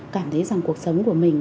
cảm thấy rằng cuộc sống của mình